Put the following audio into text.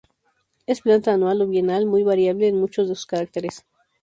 Es planta anual o bienal, muy variable en muchos de sus caracteres.